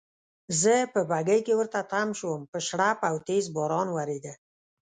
زه په بګۍ کې ورته تم شوم، په شړپ او تېز باران وریده.